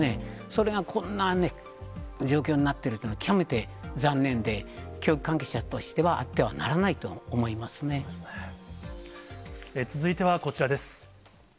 それがこんな状況になってるっていうのは、極めて残念で、教育関係者としてはあってはならないとそうですね。